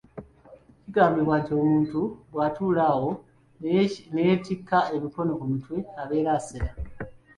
Kigambibwa nti omuntu bw'atuula awo n’eyeetikka emikono ku mutwe abeera asera.